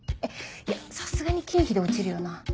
いやさすがに経費で落ちるよな。